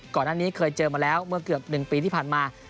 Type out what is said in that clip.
ก่อนหน้านี้เคยเจอมาแล้วเมื่อเกือบ๑ปีที่ผ่านมา